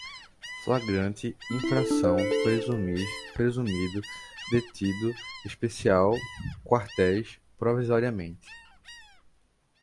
flagrante, infração, presumir, presumido, detido, especial, quartéis, provisoriamente